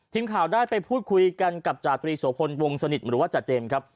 ทีมข่าวได้ไปพูดคุยกันกับจาตรีโสพลวงสนิทหรือว่าจาเจมส์ครับ